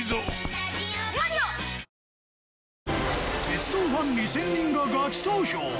『鉄道ファン２０００人がガチ投票！